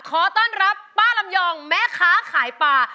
ขอต้อนรับป้าลำยองแม่ค้าขายปลา